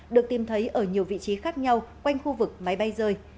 được tìm thấy ở nhiều vị trí khác nhau quanh khu vực máy bay rơi